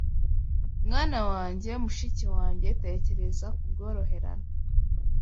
Mwana wanjye mushiki wanjye tekereza kubworoherane